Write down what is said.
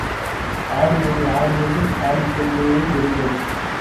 ஆடியது ஆடியது, ஆடிக்கொண்டே இருந்தது.